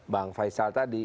bang faisal tadi